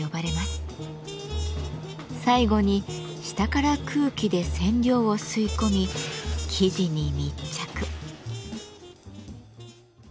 最後に下から空気で染料を吸い込み生地に密着。